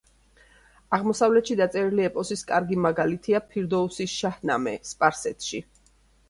აღმოსავლეთში დაწერილი ეპოსის კარგი მაგალითია ფირდოუსის „შაჰნამე“, სპარსეთში.